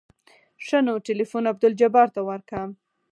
ښه نو ټېلفون عبدالجبار ته ورکه.